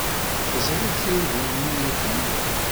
Teẓriḍ kra ugnenni yakan?